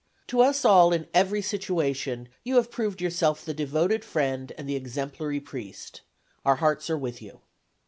To us all in every situation you have proved yourself the devoted friend and the exemplary priest. Our hearts are with you."